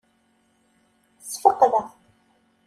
Sfeqdeɣ.